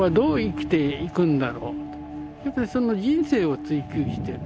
やっぱりその人生を追求してる。